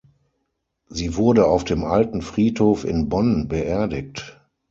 Sie wurde auf dem Alten Friedhof in Bonn beerdigt.